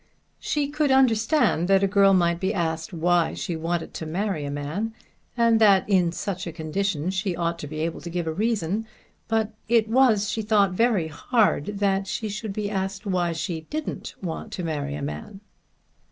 She could understand that a girl might be asked why she wanted to marry a man, and that in such a condition she ought to be able to give a reason; but it was she thought very hard that she should be asked why she didn't want to marry a man.